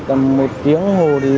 tầm một tiếng hồi